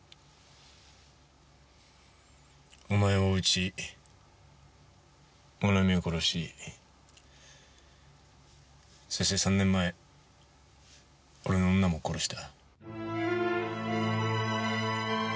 お前を撃ちもなみを殺しそして３年前俺の女も殺した。